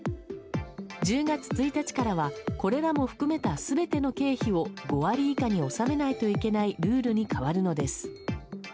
１０月１日からはこれらも含めた全ての経費を５割以下に収めないといけないルールに変わるのです。